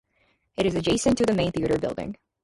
It is adjacent to the main theatre building.